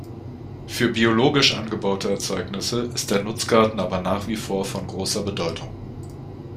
Für biologisch angebaute Erzeugnisse ist der Nutzgarten aber nach wie vor von großer Bedeutung.